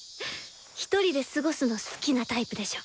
ひとりで過ごすの好きなタイプでしょ？